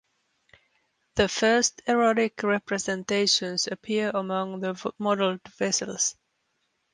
The first erotic representations appear among the modeled vessels.